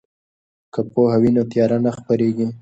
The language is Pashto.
که پوهه وي نو تیاره نه خپریږي.